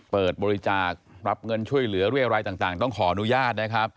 เปิดบริจาครับเงินช่วยเหลือเรียรัยต่างต้องขออนุญาตนะครับ